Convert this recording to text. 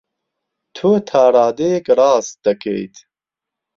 تۆ تا ڕادەیەک ڕاست دەکەیت.